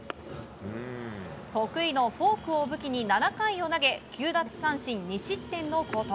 得意のフォークを武器に７回を投げ９奪三振２失点の好投。